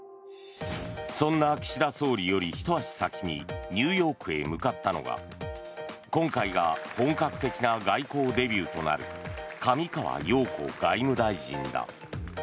そんな岸田総理よりひと足先にニューヨークへ向かったのが今回が本格的な外交デビューとなる上川陽子外務大臣だ。